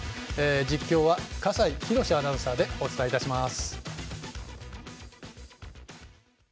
実況は酒井博司アナウンサーでお伝えいたします。